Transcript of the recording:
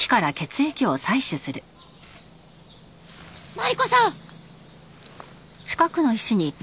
マリコさん！